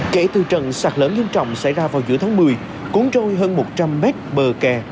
kể từ trận sạt lở nghiêm trọng xảy ra vào giữa tháng một mươi cuốn trôi hơn một trăm linh mét bờ kè